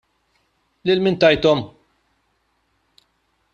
Lil min tajthom?